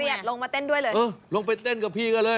ลงมาเต้นด้วยเลยเออลงไปเต้นกับพี่ก็เลย